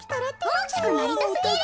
おおきくなりたすぎる。